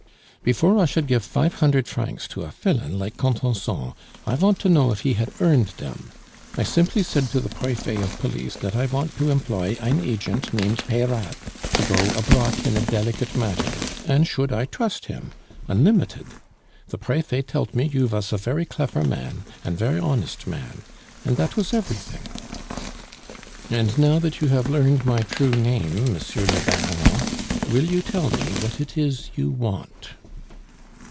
"Before I should gif fife hundert francs to a filain like Contenson, I vant to know if he had earned dem. I simply said to the Prefet of Police dat I vant to employ ein agent named Peyrate to go abroat in a delicate matter, an' should I trust him unlimited! The Prefet telt me you vas a very clefer man an' ver' honest man. An' dat vas everything." "And now that you have learned my true name, Monsieur le Baron, will you tell me what it is you want?"